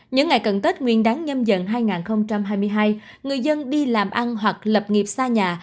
những ngày cận tết nguyên đáng nhâm dần hai nghìn hai mươi hai người dân đi làm ăn hoặc lập nghiệp xa nhà